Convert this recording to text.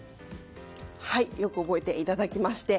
よく覚えていただきまして。